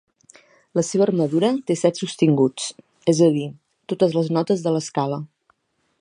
La seva armadura té set sostinguts, és a dir, totes les notes de l'escala.